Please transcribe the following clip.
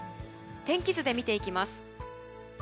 天気図で見ていきます。